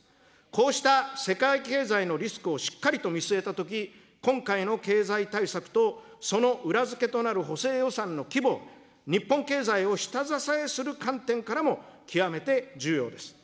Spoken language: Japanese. こうした世界経済のリスクをしっかりと見据えたとき、今回の経済対策とその裏付けとなる補正予算の規模、日本経済を下支えする観点からも、極めて重要です。